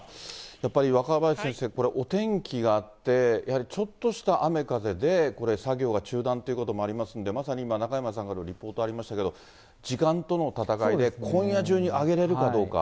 やっぱり若林先生、お天気があって、やはりちょっとした雨風で、これ、作業が中断ということもありますんで、まさに今、中山さんからのリポートありましたけど、時間との闘いで、今夜中に揚げれるかどうか。